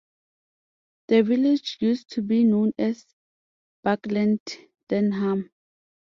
The village used to be known as Buckland Denham.